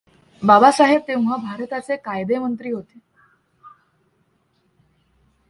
बाबासाहेब तेव्हा भारताचे कायदेमंत्री होते.